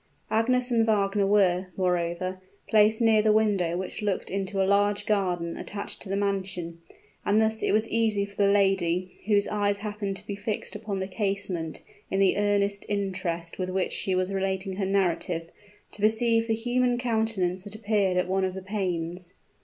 Agnes and Wagner were, moreover, placed near the window which looked into a large garden attached to the mansion; and thus it was easy for the lady, whose eyes happened to be fixed upon the casement in the earnest interest with which she was relating her narrative, to perceive the human countenance that appeared at one of the panes.